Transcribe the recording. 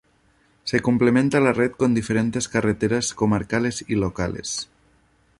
Se complementa la red con diferentes carreteras comarcales y locales.